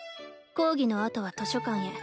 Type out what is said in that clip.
講義のあとは図書館へ。